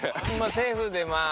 セーフでまあ。